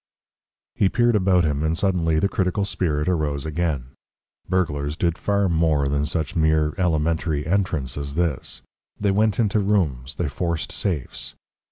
He peered about him, and suddenly the critical spirit arose again. Burglars did far more than such mere elementary entrance as this: they went into rooms, they forced safes.